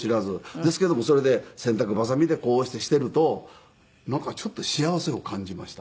ですけどもそれで洗濯ばさみでこうしてしているとなんかちょっと幸せを感じました。